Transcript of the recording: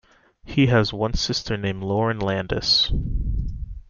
He has one sister named Lauren Landis.